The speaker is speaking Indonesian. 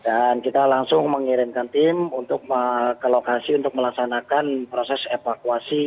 dan kita langsung mengirimkan tim untuk ke lokasi untuk melaksanakan proses evakuasi